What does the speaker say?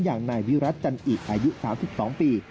อย่างนายวิรัติจันอิอายุ๓๒ปี